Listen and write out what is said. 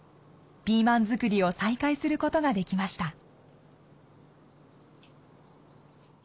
ピーマン作りを再開する事ができました。